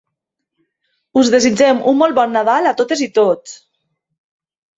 Us desitgem un molt bon Nadal a totes i tots.